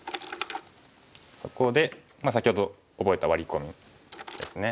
そこで先ほど覚えたワリ込みですね。